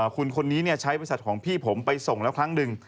คุณคนนี้ใช้บริษัทของพี่ผมไปส่งแล้วครั้งหนึ่ง